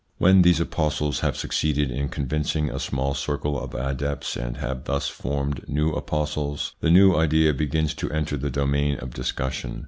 When these apostles have succeeded in convincing a small circle of adepts and have thus formed new apostles, the new idea begins to enter the domain of discussion.